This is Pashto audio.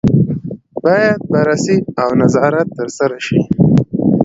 باید بررسي او نظارت ترسره شي.